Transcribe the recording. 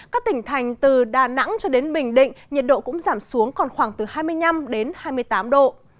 các tỉnh thành từ đà nẵng cho đến bình định nhiệt độ cũng giảm xuống còn khoảng từ hai mươi năm đến hai mươi tám độ